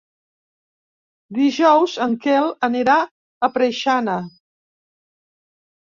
Dijous en Quel anirà a Preixana.